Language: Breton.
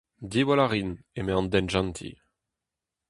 Diwall a rin, eme an denjentil.